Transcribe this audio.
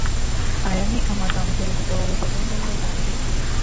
Aya ni amagambo Perezida wa Leta Zunze Ubumwe z’Amerika